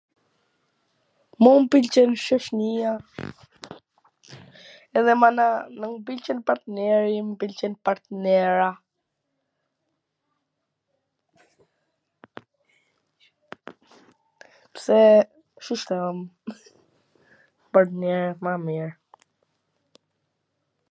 mu m pwlqen shoqnija, edhe mana m pwlqen partneri, m pwlqen partnera, pse ... shishtam.... partneret ma mir